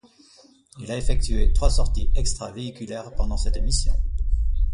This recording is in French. Il a effectué trois sorties extra-véhiculaires pendant cette mission.